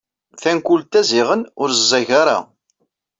Tankult-a ziɣen ur ẓẓag ara.